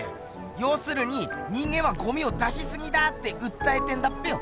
ようするに人間はゴミを出しすぎだってうったえてんだっぺよ。